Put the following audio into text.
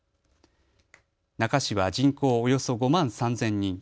那珂市は人口およそ５万３０００人。